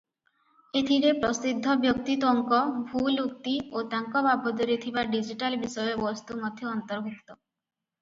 ଏଥିରେ ପ୍ରସିଦ୍ଧ ବ୍ୟକ୍ତିତ୍ୱଙ୍କ ଭୁଲ ଉକ୍ତି ଓ ତାଙ୍କ ବାବଦରେ ଥିବା ଡିଜିଟାଲ ବିଷୟବସ୍ତୁ ମଧ୍ୟ ଅନ୍ତର୍ଭୁକ୍ତ ।